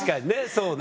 そうね。